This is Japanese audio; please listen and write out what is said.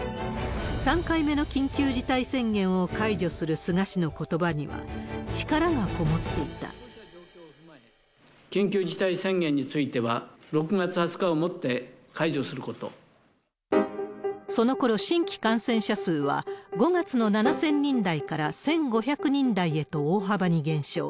３回目の緊急事態宣言を解除する菅氏のことばには、緊急事態宣言については、そのころ、新規感染者数は５月の７０００人台から１５００人台へと大幅に減少。